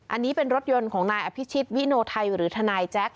อันนี้เป็นรถยนต์ของนายอภิชิตวิโนไทยหรือทนายแจ๊ค